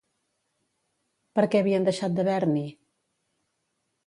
Per què havien deixat d'haver-n'hi?